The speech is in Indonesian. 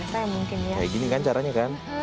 kayak gini kan caranya kan